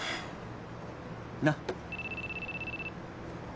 なっ。